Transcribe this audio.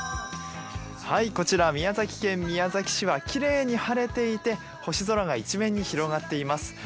こちら宮崎県宮崎市はきれいに晴れていて、星空が一面に広がっています。